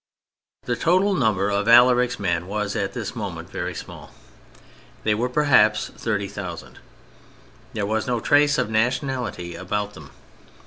The total number of Alaric's men was at this moment very small; they were perhaps 30,000. There was no trace of nationality about them.